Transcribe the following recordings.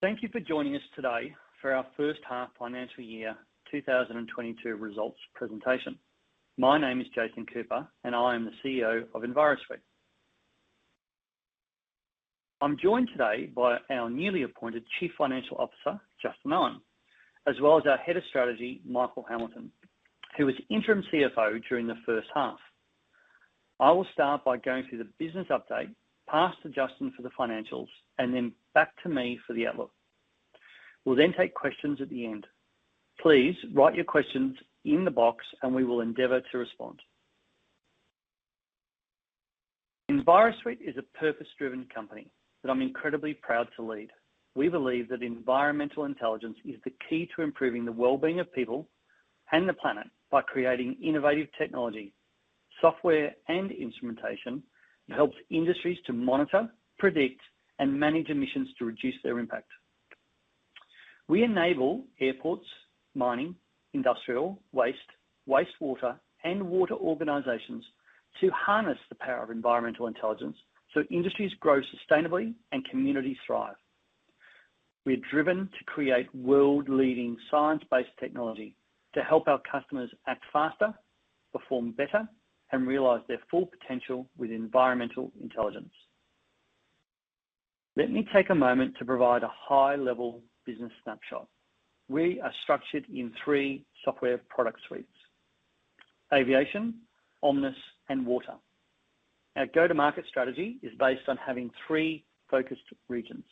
Thank you for joining us today for our first half financial year 2022 results presentation. My name is Jason Cooper, and I am the CEO of Envirosuite. I'm joined today by our newly appointed Chief Financial Officer, Justin Owen, as well as our Head of Strategy, Michael Hamilton, who was interim CFO during the first half. I will start by going through the business update, pass to Justin for the financials, and then back to me for the outlook. We'll then take questions at the end. Please write your questions in the box, and we will endeavor to respond. Envirosuite is a purpose-driven company that I'm incredibly proud to lead. We believe that environmental intelligence is the key to improving the well-being of people and the planet by creating innovative technology, software, and instrumentation that helps industries to monitor, predict, and manage emissions to reduce their impact. We enable airports, mining, industrial waste, wastewater, and water organizations to harness the power of environmental intelligence so industries grow sustainably and communities thrive. We're driven to create world-leading science-based technology to help our customers act faster, perform better, and realize their full potential with environmental intelligence. Let me take a moment to provide a high-level business snapshot. We are structured in 3 software product suites: EVS Aviation, EVS Omnis, and EVS Water. Our go-to-market strategy is based on having 3 focused regions: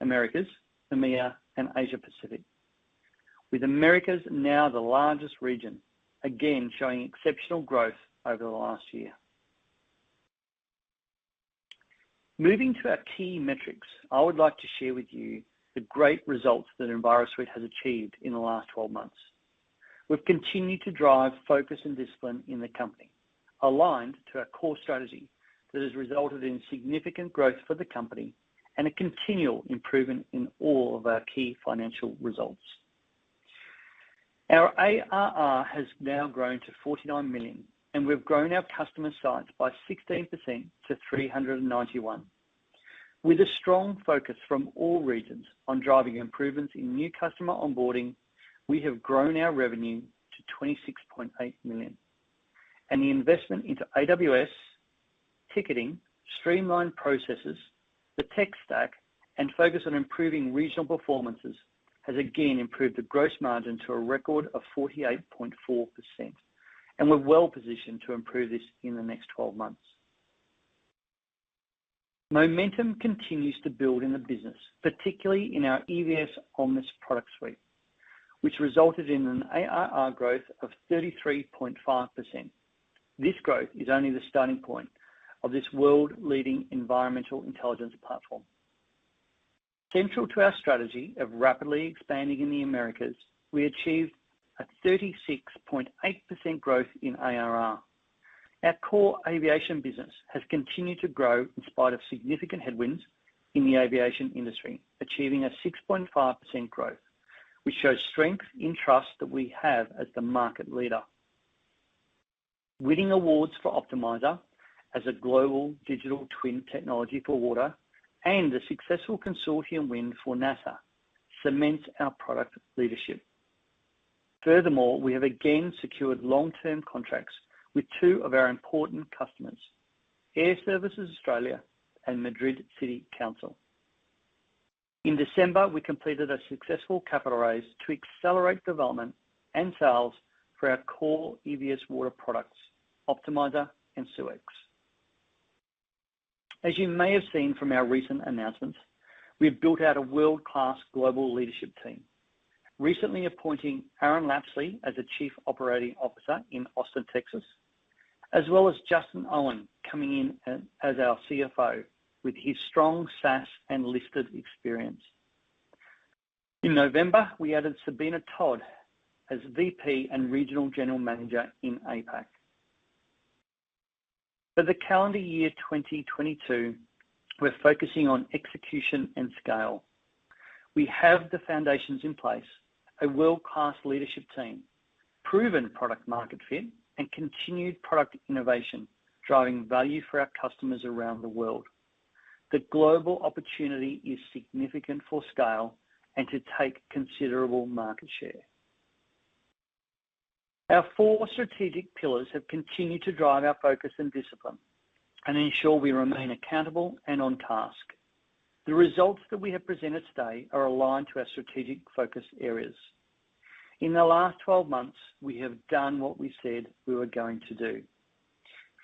Americas, EMEA, and Asia Pacific, with Americas now the largest region, again, showing exceptional growth over the last year. Moving to our key metrics, I would like to share with you the great results that Envirosuite has achieved in the last 12 months. We've continued to drive focus and discipline in the company aligned to our core strategy that has resulted in significant growth for the company and a continual improvement in all of our key financial results. Our ARR has now grown to 49 million, and we've grown our customer size by 16% to 391. With a strong focus from all regions on driving improvements in new customer onboarding, we have grown our revenue to 26.8 million. The investment into AWS, ticketing, streamlined processes, the tech stack, and focus on improving regional performances has again improved the gross margin to a record of 48.4%. We're well-positioned to improve this in the next 12 months. Momentum continues to build in the business, particularly in our EVS Omnis product suite, which resulted in an ARR growth of 33.5%. This growth is only the starting point of this world-leading environmental intelligence platform. Central to our strategy of rapidly expanding in the Americas, we achieved a 36.8% growth in ARR. Our core aviation business has continued to grow in spite of significant headwinds in the aviation industry, achieving a 6.5% growth, which shows strength and trust that we have as the market leader. Winning awards for Optimizer as a global digital twin technology for water and a successful consortium win for NASA cements our product leadership. Furthermore, we have again secured long-term contracts with two of our important customers, Airservices Australia and Madrid City Council. In December, we completed a successful capital raise to accelerate development and sales for our core EVS Water products, Optimizer and SeweX. As you may have seen from our recent announcements, we've built out a world-class global leadership team, recently appointing Aaron Lapsley as the Chief Operating Officer in Austin, Texas, as well as Justin Owen coming in as our CFO with his strong SaaS and listed experience. In November, we added Sabina Todd as VP and Regional General Manager in APAC. For the calendar year 2022, we're focusing on execution and scale. We have the foundations in place, a world-class leadership team, proven product market fit, and continued product innovation, driving value for our customers around the world. The global opportunity is significant for scale and to take considerable market share. Our four strategic pillars have continued to drive our focus and discipline and ensure we remain accountable and on task. The results that we have presented today are aligned to our strategic focus areas. In the last 12 months, we have done what we said we were going to do.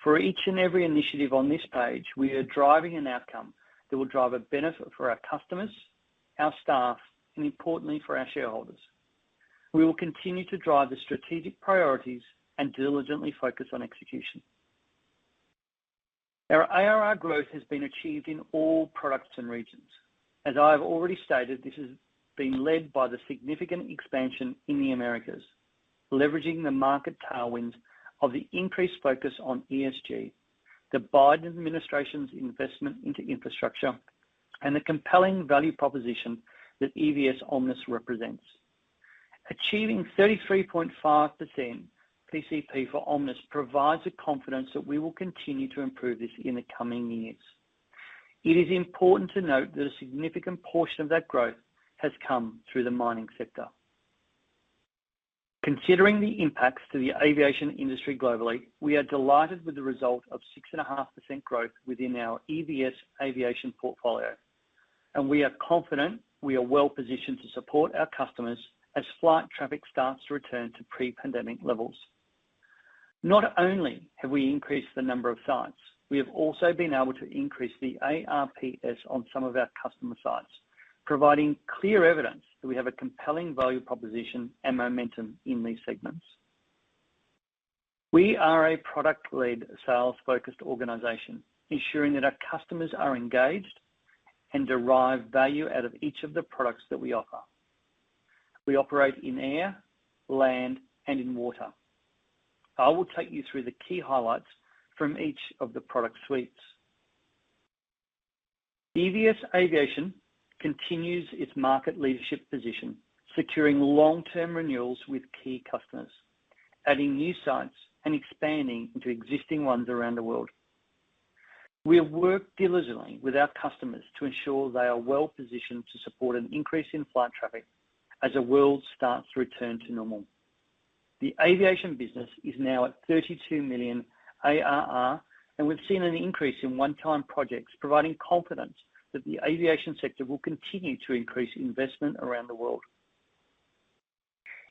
For each and every initiative on this page, we are driving an outcome that will drive a benefit for our customers, our staff, and importantly for our shareholders. We will continue to drive the strategic priorities and diligently focus on execution. Our ARR growth has been achieved in all products and regions. As I have already stated, this has been led by the significant expansion in the Americas, leveraging the market tailwinds of the increased focus on ESG, the Biden administration's investment into infrastructure, and the compelling value proposition that EVS Omnis represents. Achieving 33.5% PCP for Omnis provides the confidence that we will continue to improve this in the coming years. It is important to note that a significant portion of that growth has come through the mining sector. Considering the impacts to the aviation industry globally, we are delighted with the result of 6.5% growth within our EVS Aviation portfolio, and we are confident we are well-positioned to support our customers as flight traffic starts to return to pre-pandemic levels. Not only have we increased the number of sites, we have also been able to increase the ARPS on some of our customer sites, providing clear evidence that we have a compelling value proposition and momentum in these segments. We are a product-led sales-focused organization ensuring that our customers are engaged and derive value out of each of the products that we offer. We operate in air, land, and in water. I will take you through the key highlights from each of the product suites. EVS Aviation continues its market leadership position, securing long-term renewals with key customers, adding new sites and expanding into existing ones around the world. We have worked diligently with our customers to ensure they are well positioned to support an increase in flight traffic as the world starts to return to normal. The aviation business is now at 32 million ARR, and we've seen an increase in one-time projects providing confidence that the aviation sector will continue to increase investment around the world.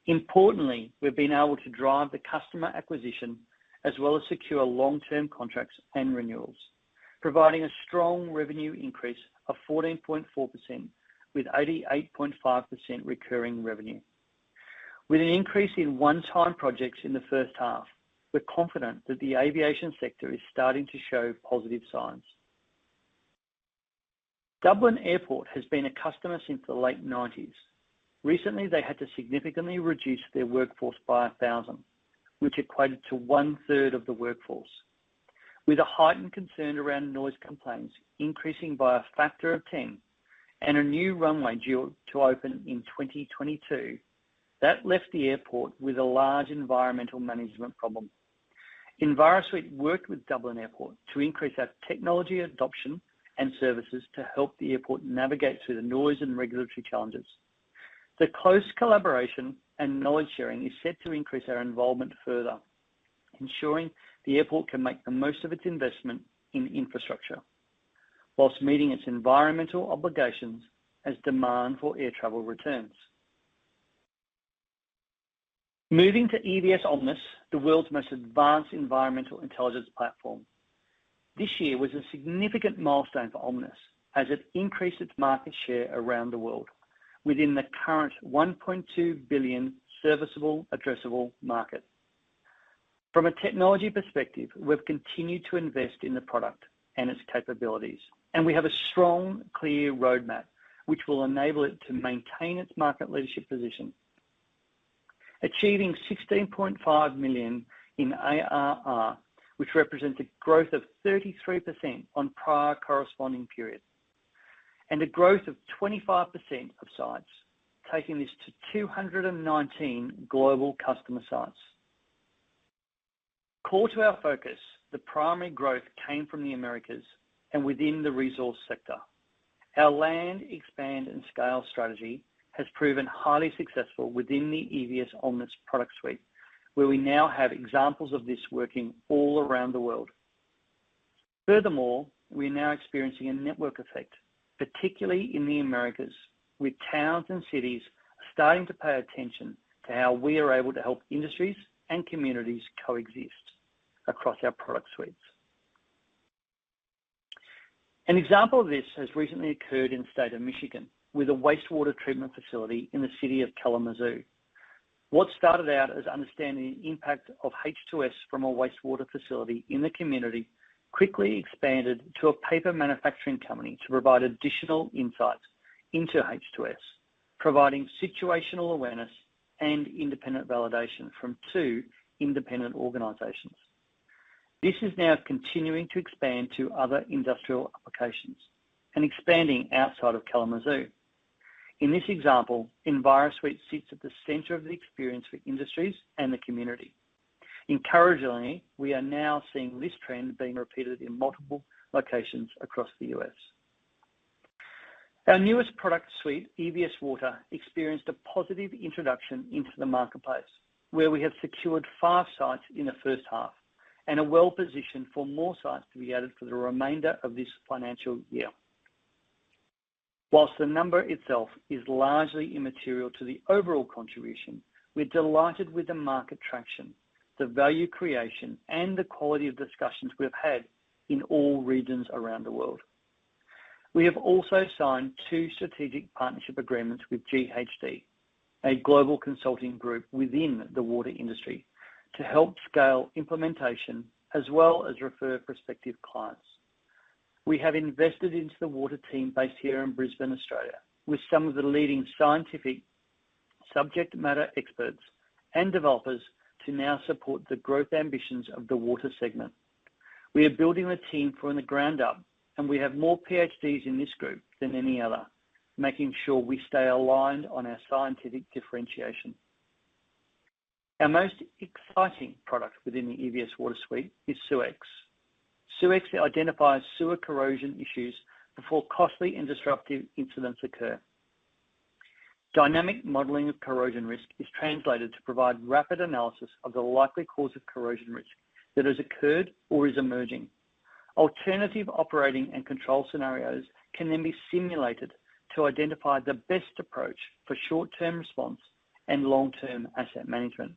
Importantly, we've been able to drive the customer acquisition as well as secure long-term contracts and renewals, providing a strong revenue increase of 14.4% with 88.5% recurring revenue. With an increase in one-time projects in the first half, we're confident that the aviation sector is starting to show positive signs. Dublin Airport has been a customer since the late 1990s. Recently, they had to significantly reduce their workforce by 1,000, which equated to one-third of the workforce. With a heightened concern around noise complaints increasing by a factor of 10 and a new runway due to open in 2022, that left the airport with a large environmental management problem. Envirosuite worked with Dublin Airport to increase our technology adoption and services to help the airport navigate through the noise and regulatory challenges. The close collaboration and knowledge sharing is set to increase our involvement further, ensuring the airport can make the most of its investment in infrastructure while meeting its environmental obligations as demand for air travel returns. Moving to EVS Omnis, the world's most advanced environmental intelligence platform. This year was a significant milestone for Omnis as it increased its market share around the world within the current 1.2 billion serviceable addressable market. From a technology perspective, we've continued to invest in the product and its capabilities, and we have a strong, clear roadmap which will enable it to maintain its market leadership position. Achieving 16.5 million in ARR, which represents a growth of 33% on prior corresponding periods and a growth of 25% of sites, taking this to 219 global customer sites. Core to our focus, the primary growth came from the Americas and within the resource sector. Our land expand and scale strategy has proven highly successful within the EVS Omnis product suite, where we now have examples of this working all around the world. Furthermore, we are now experiencing a network effect, particularly in the Americas, with towns and cities starting to pay attention to how we are able to help industries and communities coexist across our product suites. An example of this has recently occurred in the state of Michigan with a wastewater treatment facility in the city of Kalamazoo. What started out as understanding the impact of H2S from a wastewater facility in the community quickly expanded to a paper manufacturing company to provide additional insights into H2S, providing situational awareness and independent validation from two independent organizations. This is now continuing to expand to other industrial applications and expanding outside of Kalamazoo. In this example, Envirosuite sits at the center of the experience for industries and the community. Encouragingly, we are now seeing this trend being repeated in multiple locations across the U.S. Our newest product suite, EVS Water, experienced a positive introduction into the marketplace, where we have secured five sites in the first half and are well-positioned for more sites to be added for the remainder of this financial year. While the number itself is largely immaterial to the overall contribution, we're delighted with the market traction, the value creation, and the quality of discussions we have had in all regions around the world. We have also signed two strategic partnership agreements with GHD, a global consulting group within the water industry, to help scale implementation as well as refer prospective clients. We have invested into the water team based here in Brisbane, Australia, with some of the leading scientific subject matter experts and developers to now support the growth ambitions of the water segment. We are building the team from the ground up, and we have more PhDs in this group than any other, making sure we stay aligned on our scientific differentiation. Our most exciting product within the EVS Water suite is SeweX. SeweX identifies sewer corrosion issues before costly and disruptive incidents occur. Dynamic modeling of corrosion risk is translated to provide rapid analysis of the likely cause of corrosion risk that has occurred or is emerging. Alternative operating and control scenarios can then be simulated to identify the best approach for short-term response and long-term asset management.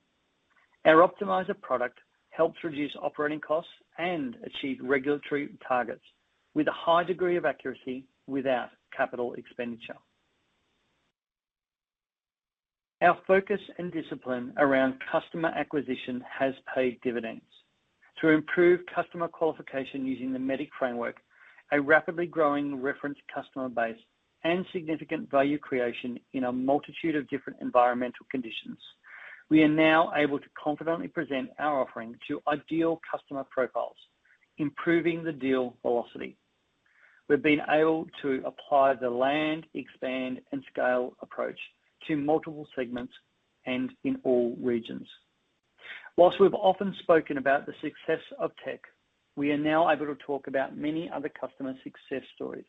Our Optimizer product helps reduce operating costs and achieve regulatory targets with a high degree of accuracy without capital expenditure. Our focus and discipline around customer acquisition has paid dividends. To improve customer qualification using the MEDDIC framework, a rapidly growing reference customer base and significant value creation in a multitude of different environmental conditions, we are now able to confidently present our offering to ideal customer profiles, improving the deal velocity. We've been able to apply the land, expand, and scale approach to multiple segments and in all regions. While we've often spoken about the success of TEC, we are now able to talk about many other customer success stories,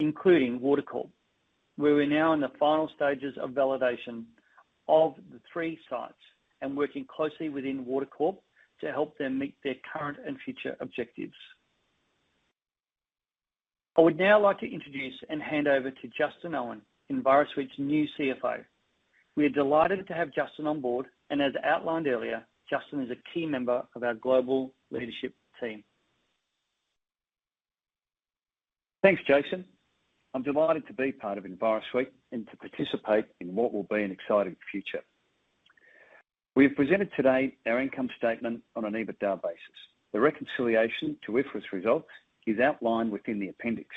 including Water Corp, where we're now in the final stages of validation of the three sites and working closely within Water Corp to help them meet their current and future objectives. I would now like to introduce and hand over to Justin Owen, Envirosuite's new CFO. We are delighted to have Justin on board, and as outlined earlier, Justin is a key member of our global leadership team. Thanks, Jason. I'm delighted to be part of Envirosuite and to participate in what will be an exciting future. We have presented today our income statement on an EBITDA basis. The reconciliation to IFRS results is outlined within the appendix.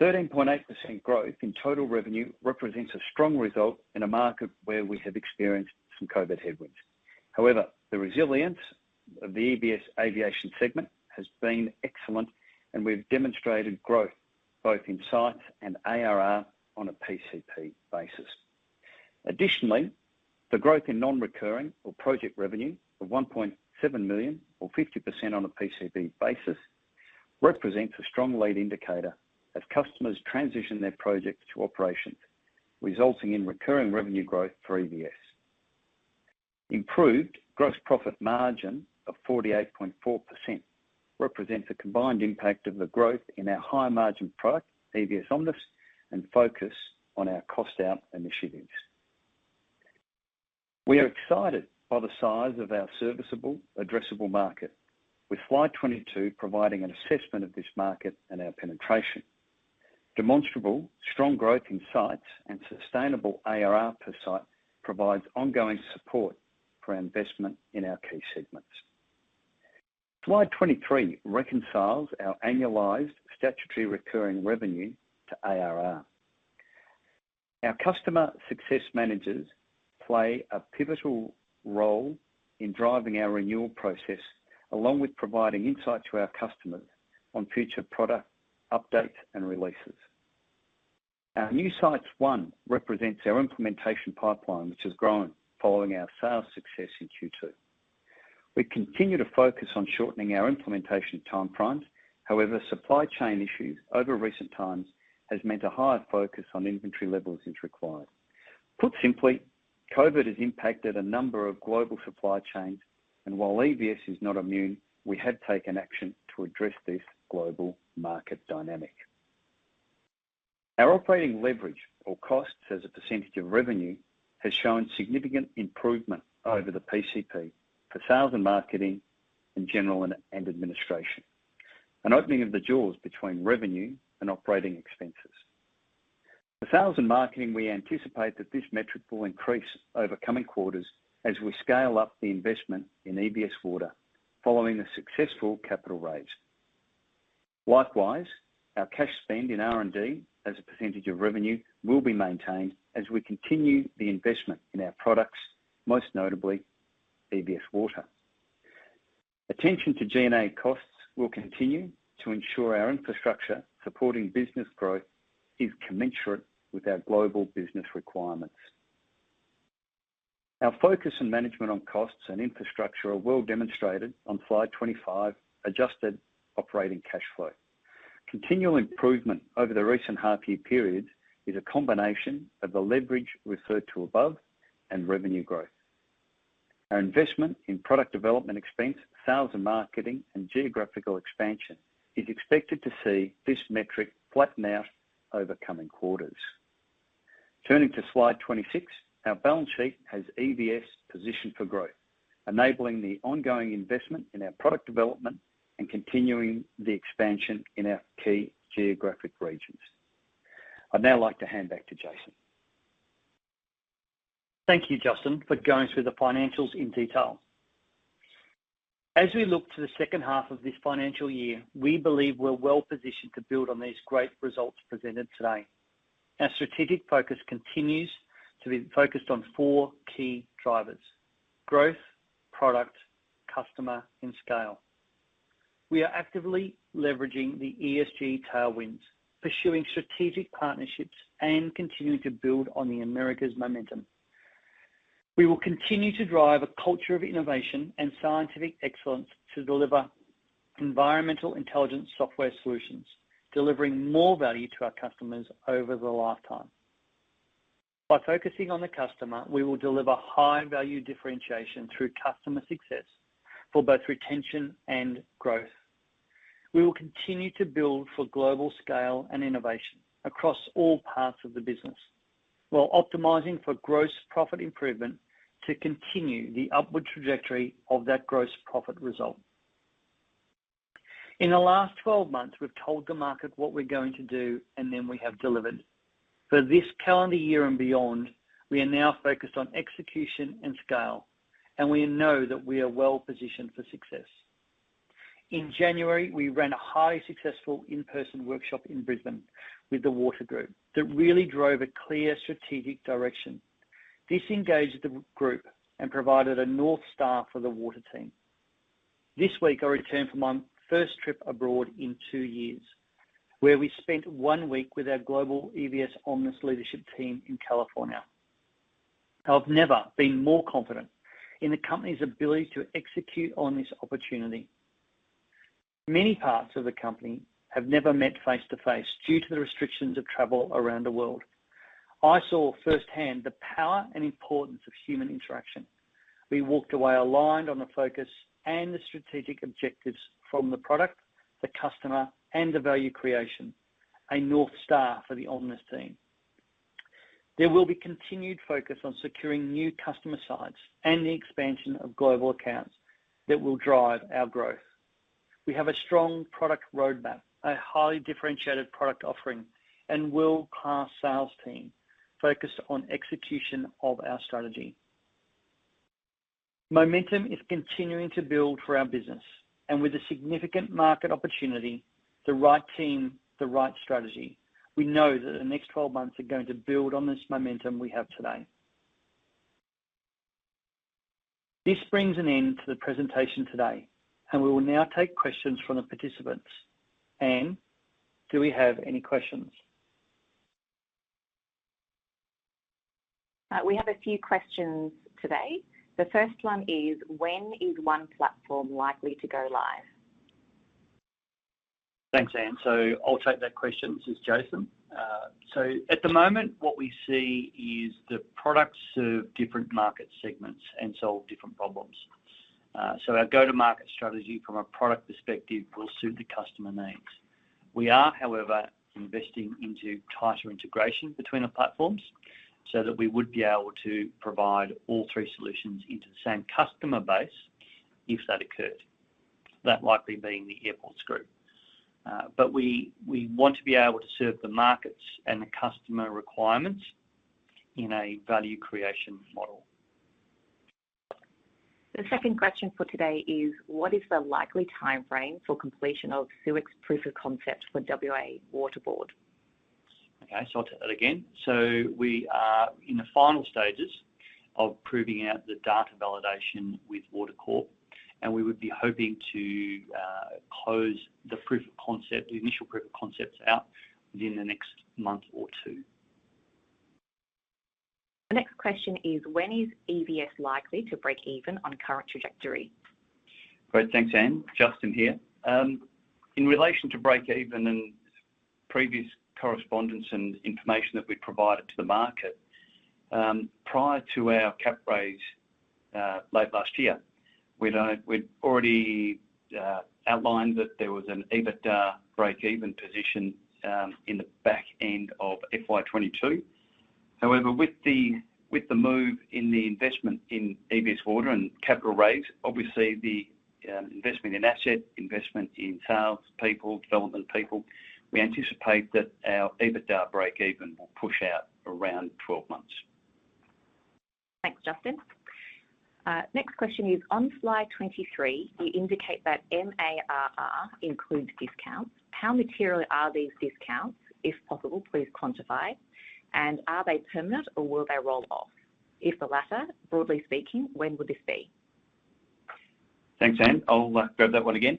13.8% growth in total revenue represents a strong result in a market where we have experienced some COVID headwinds. However, the resilience of the EVS Aviation segment has been excellent, and we've demonstrated growth both in sites and ARR on a PCP basis. Additionally, the growth in non-recurring or project revenue of 1.7 million or 50% on a PCP basis represents a strong lead indicator as customers transition their projects to operations, resulting in recurring revenue growth for EVS. Improved gross profit margin of 48.4% represents a combined impact of the growth in our high-margin product, EVS Omnis, and focus on our cost-out initiatives. We are excited by the size of our serviceable addressable market, with Slide 22 providing an assessment of this market and our penetration. Demonstrable strong growth in sites and sustainable ARR per site provides ongoing support for investment in our key segments. Slide 23 reconciles our annualized statutory recurring revenue to ARR. Our customer success managers play a pivotal role in driving our renewal process, along with providing insight to our customers on future product updates and releases. Our new sites pipeline represents our implementation pipeline, which has grown following our sales success in Q2. We continue to focus on shortening our implementation time frames. However, supply chain issues over recent times has meant a higher focus on inventory levels is required. Put simply, COVID has impacted a number of global supply chains, and while EVS is not immune, we have taken action to address this global market dynamic. Our operating leverage or costs as a percentage of revenue has shown significant improvement over the PCP for sales and marketing in general and administration, an opening of the jaws between revenue and operating expenses. For sales and marketing, we anticipate that this metric will increase over coming quarters as we scale up the investment in EVS Water following the successful capital raise. Likewise, our cash spend in R&D as a percentage of revenue will be maintained as we continue the investment in our products, most notably EVS Water. Attention to G&A costs will continue to ensure our infrastructure supporting business growth is commensurate with our global business requirements. Our focus and management on costs and infrastructure are well demonstrated on slide 25, adjusted operating cash flow. Continual improvement over the recent half-year periods is a combination of the leverage referred to above and revenue growth. Our investment in product development expense, sales and marketing, and geographical expansion is expected to see this metric flatten out over coming quarters. Turning to slide 26, our balance sheet has EVS positioned for growth, enabling the ongoing investment in our product development and continuing the expansion in our key geographic regions. I'd now like to hand back to Jason. Thank you, Justin, for going through the financials in detail. As we look to the second half of this financial year, we believe we're well-positioned to build on these great results presented today. Our strategic focus continues to be focused on four key drivers: growth, product, customer, and scale. We are actively leveraging the ESG tailwinds, pursuing strategic partnerships and continuing to build on the Americas momentum. We will continue to drive a culture of innovation and scientific excellence to deliver environmental intelligence software solutions, delivering more value to our customers over the lifetime. By focusing on the customer, we will deliver high-value differentiation through customer success for both retention and growth. We will continue to build for global scale and innovation across all parts of the business, while optimizing for gross profit improvement to continue the upward trajectory of that gross profit result. In the last twelve months, we've told the market what we're going to do, and then we have delivered. For this calendar year and beyond, we are now focused on execution and scale, and we know that we are well-positioned for success. In January, we ran a highly successful in-person workshop in Brisbane with the water group that really drove a clear strategic direction. This engaged the group and provided a North Star for the water team. This week, I returned from my first trip abroad in two years, where we spent one week with our global EVS Omnis leadership team in California. I've never been more confident in the company's ability to execute on this opportunity. Many parts of the company have never met face to face due to the restrictions of travel around the world. I saw firsthand the power and importance of human interaction. We walked away aligned on the focus and the strategic objectives from the product, the customer, and the value creation, a North Star for the Omnis team. There will be continued focus on securing new customer sites and the expansion of global accounts that will drive our growth. We have a strong product roadmap, a highly differentiated product offering, and world-class sales team focused on execution of our strategy. Momentum is continuing to build for our business, and with a significant market opportunity, the right team, the right strategy, we know that the next 12 months are going to build on this momentum we have today. This brings an end to the presentation today, and we will now take questions from the participants. Anne, do we have any questions? We have a few questions today. The first one is: When is one platform likely to go live? Thanks, Anne. I'll take that question. This is Jason. At the moment, what we see is the products serve different market segments and solve different problems. Our go-to-market strategy from a product perspective will suit the customer needs. We are, however, investing into tighter integration between the platforms so that we would be able to provide all three solutions into the same customer base if that occurred, that likely being the airports group. We want to be able to serve the markets and the customer requirements in a value creation model. The second question for today is: What is the likely timeframe for completion of SeweX's proof of concept for Water Corporation? Okay, I'll take that again. We are in the final stages of proving out the data validation with Water Corp, and we would be hoping to close the proof of concept, the initial proof of concepts out within the next month or two. The next question is: When is EVS likely to break even on current trajectory? Great. Thanks, Anne. Justin here. In relation to break even and previous correspondence and information that we provided to the market, prior to our cap raise, late last year, we'd already outlined that there was an EBITDA break even position, in the back end of FY 2022. However, with the move in the investment in EVS Water and capital raise, obviously the investment in sales people, development people, we anticipate that our EBITDA break even will push out around 12 months. Thanks, Justin. Next question is: On slide 23, you indicate that ARR includes discounts. How material are these discounts? If possible, please quantify. And are they permanent or will they roll off? If the latter, broadly speaking, when would this be? Thanks, Anne. I'll grab that one again.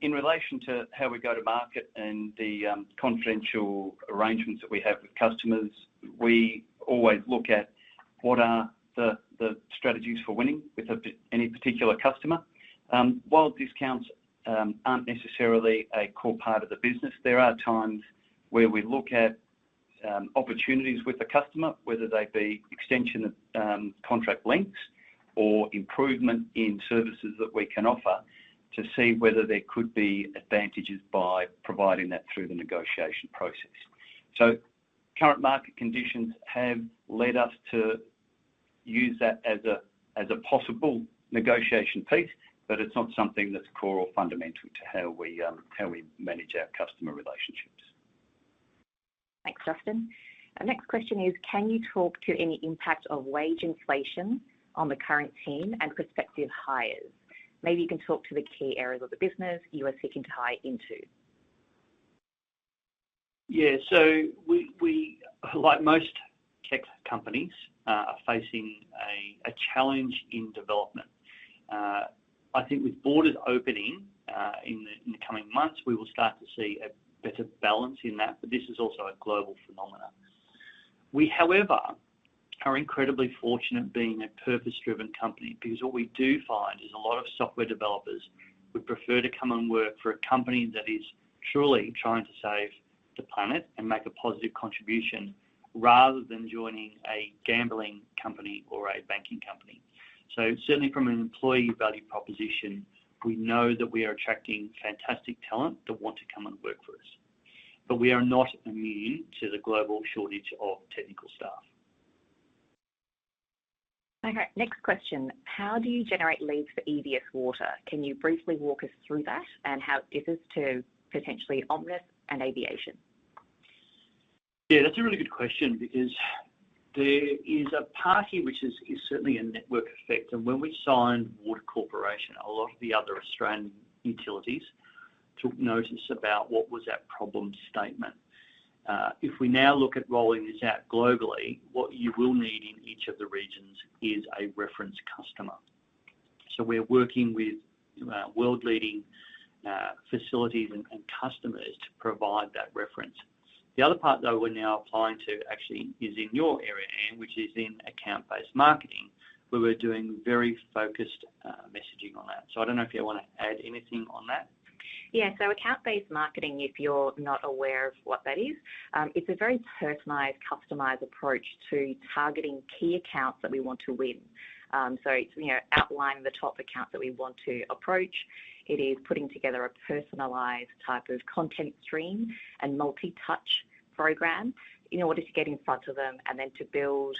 In relation to how we go to market and the confidential arrangements that we have with customers, we always look at what are the strategies for winning with any particular customer. While discounts aren't necessarily a core part of the business, there are times where we look at opportunities with the customer, whether they be extension of contract lengths or improvement in services that we can offer to see whether there could be advantages by providing that through the negotiation process. Current market conditions have led us to use that as a possible negotiation piece, but it's not something that's core or fundamental to how we manage our customer relationships. Thanks, Justin. Our next question is: Can you talk to any impact of wage inflation on the current team and prospective hires? Maybe you can talk to the key areas of the business you are seeking to tie into. Yeah. We, like most tech companies, are facing a challenge in development. I think with borders opening in the coming months, we will start to see a better balance in that, but this is also a global phenomenon. We, however, are incredibly fortunate being a purpose-driven company because what we do find is a lot of software developers would prefer to come and work for a company that is truly trying to save the planet and make a positive contribution rather than joining a gambling company or a banking company. Certainly from an employee value proposition, we know that we are attracting fantastic talent that want to come and work for us. We are not immune to the global shortage of technical staff. Okay. Next question: How do you generate leads for EVS Water? Can you briefly walk us through that and how it differs to potentially Omnis and Aviation? Yeah. That's a really good question because there is a party which is certainly a network effect, and when we signed Water Corporation, a lot of the other Australian utilities took notice about what was that problem statement. If we now look at rolling this out globally, what you will need in each of the regions is a reference customer. We're working with world-leading facilities and customers to provide that reference. The other part though we're now applying to actually is in your area, Anne, which is in account-based marketing, where we're doing very focused messaging on that. I don't know if you wanna add anything on that. Yeah. Account-based marketing, if you're not aware of what that is, it's a very personalized, customized approach to targeting key accounts that we want to win. It's, you know, outlining the top accounts that we want to approach. It is putting together a personalized type of content stream and multi-touch programs in order to get in front of them and then to build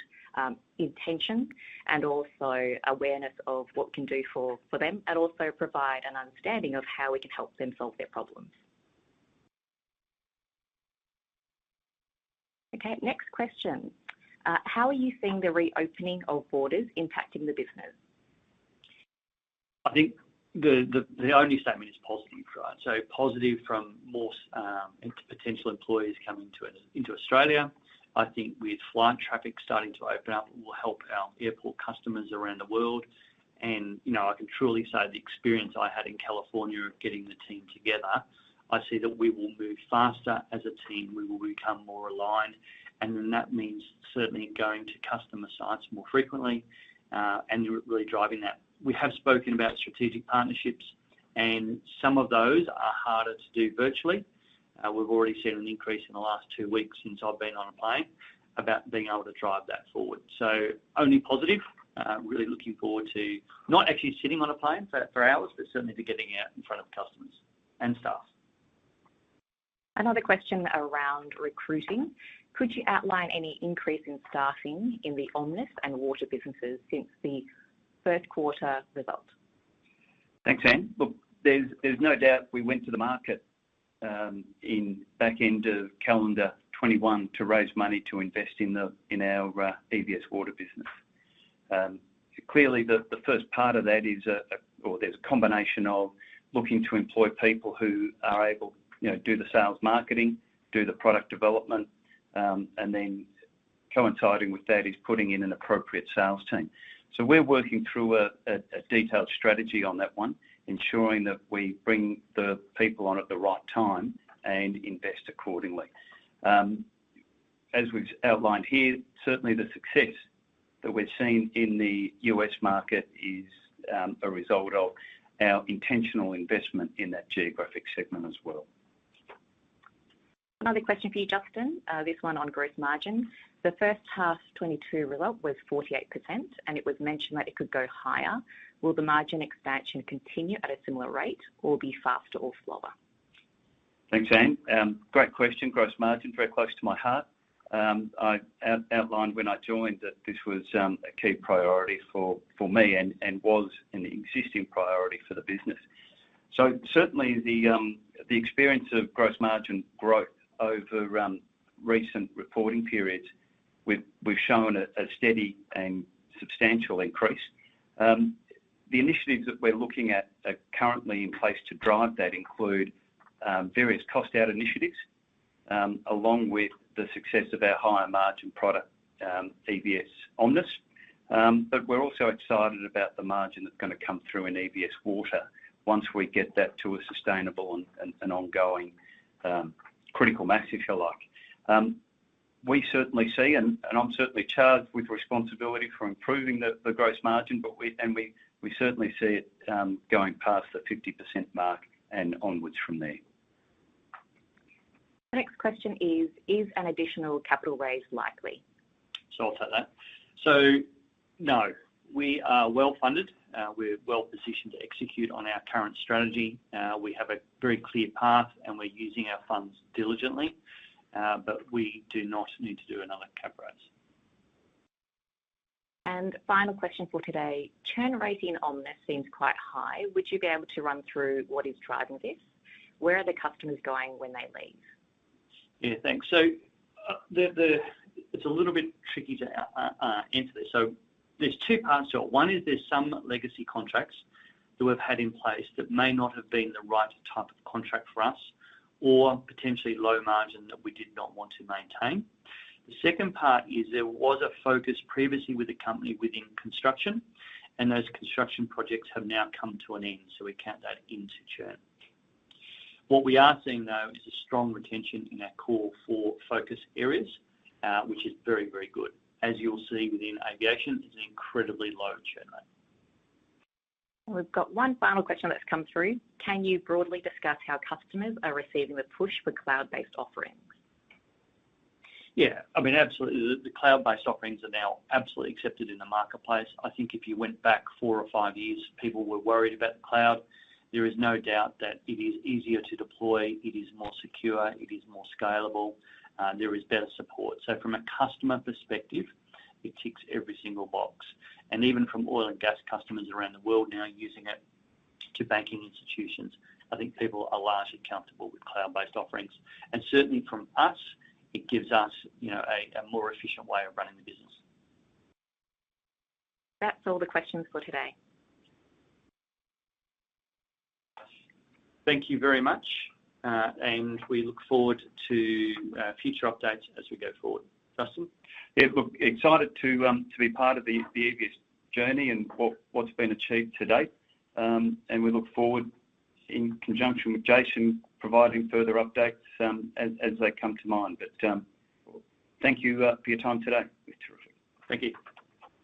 intention and also awareness of what we can do for them, and also provide an understanding of how we can help them solve their problems. Okay, next question. How are you seeing the reopening of borders impacting the business? I think the only statement is positive, right? Positive from more, and potential employees coming into Australia. I think with flight traffic starting to open up will help our airport customers around the world. You know, I can truly say the experience I had in California of getting the team together, I see that we will move faster as a team. We will become more aligned, and then that means certainly going to customer sites more frequently, and really driving that. We have spoken about strategic partnerships, and some of those are harder to do virtually. We've already seen an increase in the last two weeks since I've been on a plane about being able to drive that forward. Only positive. Really looking forward to not actually sitting on a plane for hours, but certainly to getting out in front of customers and staff. Another question around recruiting. Could you outline any increase in staffing in the Omnis and Water businesses since the first quarter result? Thanks, Anne. Look, there's no doubt we went to the market in back end of calendar 2021 to raise money to invest in our EVS Water business. Clearly the first part of that is, there's a combination of looking to employ people who are able, you know, do the sales marketing, do the product development, and then coinciding with that is putting in an appropriate sales team. We're working through a detailed strategy on that one, ensuring that we bring the people on at the right time and invest accordingly. As we've outlined here, certainly the success that we've seen in the U.S. market is a result of our intentional investment in that geographic segment as well. Another question for you, Justin, this one on growth margin. The first half 2022 result was 48%, and it was mentioned that it could go higher. Will the margin expansion continue at a similar rate or be faster or slower? Thanks, Anne. Great question. Gross margin, very close to my heart. I outlined when I joined that this was a key priority for me and was an existing priority for the business. Certainly the experience of gross margin growth over recent reporting periods, we've shown a steady and substantial increase. The initiatives that we're looking at are currently in place to drive that include various cost out initiatives along with the success of our higher margin product, EVS Omnis. But we're also excited about the margin that's gonna come through in EVS Water once we get that to a sustainable and ongoing critical mass, if you like. We certainly see, and I'm certainly charged with responsibility for improving the gross margin, but we certainly see it going past the 50% mark and onwards from there. The next question is: Is an additional capital raise likely? I'll take that. No, we are well-funded. We're well-positioned to execute on our current strategy. We have a very clear path, and we're using our funds diligently. But we do not need to do another cap raise. Final question for today. Churn rate in Omnis seems quite high. Would you be able to run through what is driving this? Where are the customers going when they leave? Yeah, thanks. It's a little bit tricky to answer this. There's two parts to it. One is there's some legacy contracts that we've had in place that may not have been the right type of contract for us or potentially low margin that we did not want to maintain. The second part is there was a focus previously with the company within construction, and those construction projects have now come to an end, so we count that into churn. What we are seeing, though, is a strong retention in our core four focus areas, which is very, very good. As you'll see within Aviation, it's an incredibly low churn rate. We've got one final question that's come through. Can you broadly discuss how customers are receiving the push for cloud-based offerings? Yeah. I mean, absolutely. The cloud-based offerings are now absolutely accepted in the marketplace. I think if you went back four or five years, people were worried about the cloud. There is no doubt that it is easier to deploy, it is more secure, it is more scalable, there is better support. From a customer perspective, it ticks every single box. Even from oil and gas customers around the world now using it to banking institutions, I think people are largely comfortable with cloud-based offerings. Certainly from us, it gives us, you know, a more efficient way of running the business. That's all the questions for today. Thank you very much. We look forward to future updates as we go forward. Justin? Yeah. Look, excited to be part of the EVS journey and what's been achieved to date. We look forward in conjunction with Jason providing further updates, as they come to mind. Thank you for your time today. Terrific. Thank you.